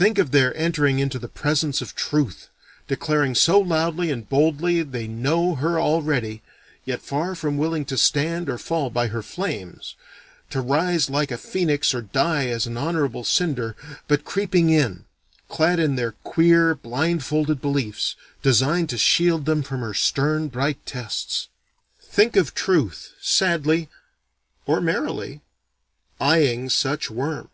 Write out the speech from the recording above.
Think of their entering into the presence of Truth, declaring so loudly and boldly they know her already, yet far from willing to stand or fall by her flames to rise like a phoenix or die as an honorable cinder! but creeping in, clad in their queer blindfolded beliefs, designed to shield them from her stern, bright tests! Think of Truth sadly or merrily eyeing such worms!